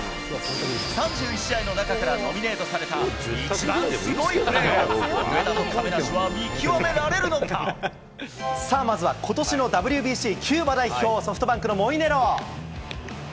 ３１試合の中からノミネートされた、一番すごいプレーを、まずはことしのＷＢＣキューバ代表、ソフトバンクのモイネロ。